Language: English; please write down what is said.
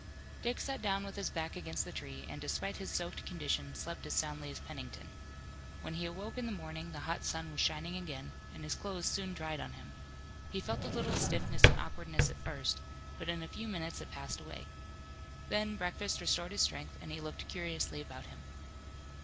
Dick sat down with his back against the tree, and, despite his soaked condition, slept as soundly as Pennington. When he awoke in the morning the hot sun was shining again, and his clothes soon dried on him. He felt a little stiffness and awkwardness at first, but in a few minutes it passed away. Then breakfast restored his strength, and he looked curiously about him.